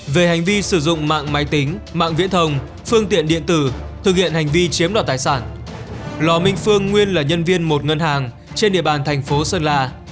về hành vi sử dụng mạng máy tính mạng viễn thông phương tiện điện tử thực hiện hành vi chiếm đoạt tài sản lò minh phương nguyên là nhân viên một ngân hàng trên địa bàn thành phố sơn la